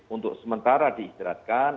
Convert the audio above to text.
untuk sementara diistirahatkan